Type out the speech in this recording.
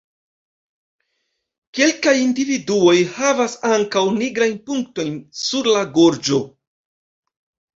Kelkaj individuoj havas ankaŭ nigrajn punktojn sur la gorĝo.